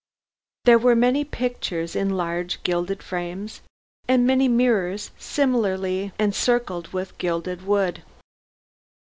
There were many pictures in large gilded frames and many mirrors similarly encircled with gilded wood.